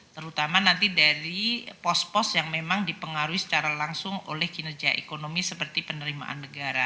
terutama nanti dari pos pos yang memang dipengaruhi secara langsung oleh kinerja ekonomi seperti penerimaan negara